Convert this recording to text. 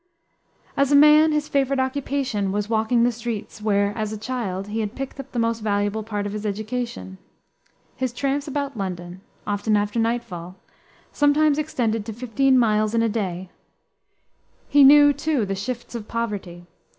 As a man, his favorite occupation was walking the streets, where, as a child, he had picked up the most valuable part of his education. His tramps about London often after nightfall sometimes extended to fifteen miles in a day. He knew, too, the shifts of poverty.